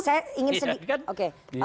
saya ingin sedikit